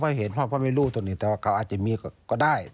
ก็เห็นพ่อเพราะไม่รู้ตัวนี้แต่ว่าเขาอาจจะมีก็ได้